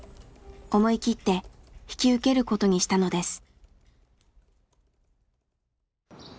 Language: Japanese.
思い切って引き受けることにしたのです。